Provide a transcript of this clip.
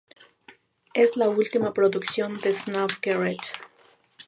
Es la última producción de "Snuff Garrett".